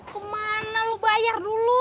kemana lu bayar dulu